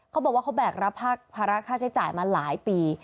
เขาบอกว่าเขาแบกรับภาระค่าใช้จ่ายมาหลายปี